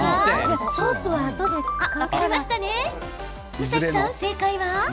武蔵さん、正解は？